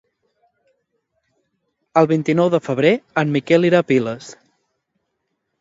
El vint-i-nou de febrer en Miquel irà a Piles.